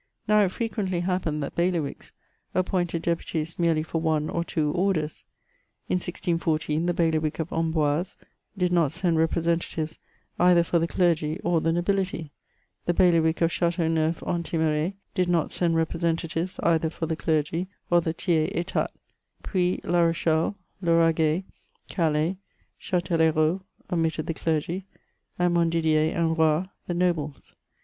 Now, it frequently happened that bailiwicks appointed deputies merely for one or two orders. In 1614, the bailiwick of Amboise dia not send representatives either for the clergy or the nobility; the bailiwick of Chateauneuf en Thimerais did not send representa tives either for the clergy or the tiers etat; Pny, la Rochelle, Lauraguais, Calais, Ch&t^Uherault, omitted the clergy, and Mon didier and Roye the nobles.